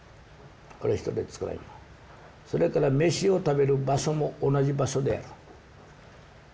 それから飯を食べる場所も同じ場所でやる。